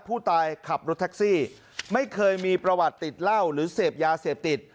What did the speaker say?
ผู้ตายขับรถแท็กซี่ไม่เคยมีประวัติติดเหล้าหรือเสพยาเสพติด